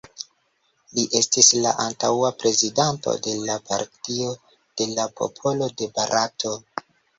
Li estis la antaŭa Prezidanto de la Partio de la Popolo de Barato.